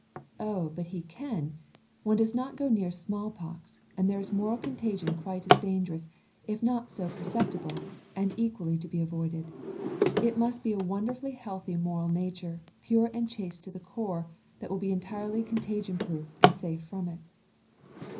"Oh! but he can. One does not go near smallpox, and there is a moral contagion quite as dangerous, if not so perceptible, and equally to be avoided. It must be a wonderfully healthy moral nature, pure and chaste to the core, that will be entirely contagion proof and safe from it."